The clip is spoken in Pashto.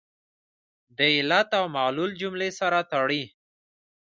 د علت او معلول جملې سره تړي.